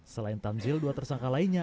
selain tanzil dua tersangka lainnya